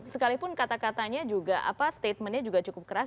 sekalipun kata katanya juga statementnya juga cukup keras